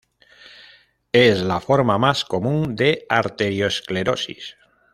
Es la forma más común de arteriosclerosis.